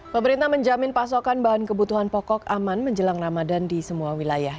pemerintah menjamin pasokan bahan kebutuhan pokok aman menjelang ramadan di semua wilayah